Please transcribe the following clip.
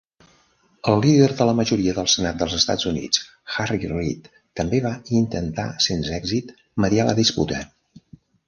El líder de la majoria del senat dels Estats Units, Harry Reid, també va intentar sense èxit mediar la disputa.